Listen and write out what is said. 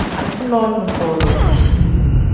Alifa nole ni folu.